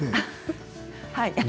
はい。